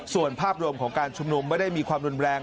ส่วนภาพรวมของการชุมนุมไม่ได้มีความรุนแรง